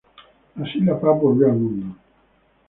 Así la paz volvió al mundo.